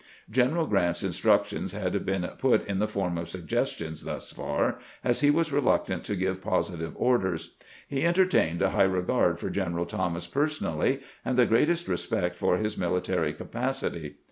G eneral Grant's instructions had been put in the form of suggestions thus far, as he was reluctant to give positive orders. He entertained a high regard for General Thomas personally, and the greatest respect for his military capacity.